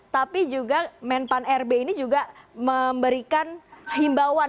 tapi juga men pan rb ini juga memberikan himbauan